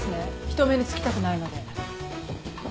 人目につきたくないので。